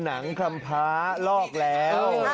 หนังคลำพ้าลอกแล้ว